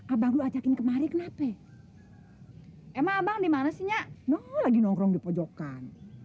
abang ajakin kemarin kenapa emang abang dimana sinyal lagi nongkrong di pojokan